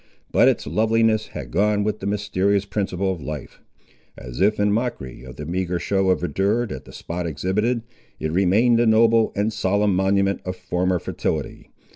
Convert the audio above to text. But its loveliness had gone with the mysterious principle of life. As if in mockery of the meagre show of verdure that the spot exhibited, it remained a noble and solemn monument of former fertility.